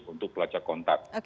untuk lacak kontak